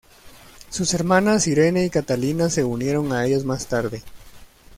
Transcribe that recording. Sus hermanas Irene y Catalina se unieron a ellos más tarde.